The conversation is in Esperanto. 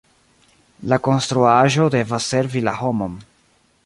La konstruaĵo devas servi la homon.